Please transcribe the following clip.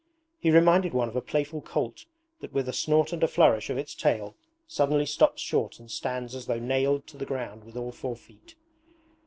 He reminded one of a playful colt that with a snort and a flourish of its tail suddenly stops short and stands as though nailed to the ground with all four feet.